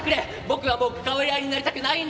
僕はもう関わり合いになりたくないんだ！」。